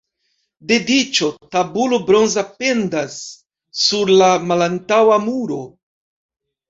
Dediĉo tabulo bronza pendas sur la malantaŭa muro.